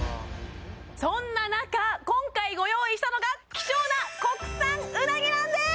そんな中今回ご用意したのが貴重な国産うなぎなんです！